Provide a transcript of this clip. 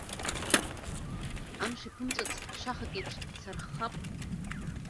Амш иԥымҵәац шахак еиԥш сарххап.